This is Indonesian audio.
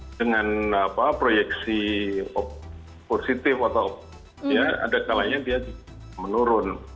dengan proyeksi positif atau ada kelainan dia menurun